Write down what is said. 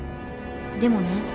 でもね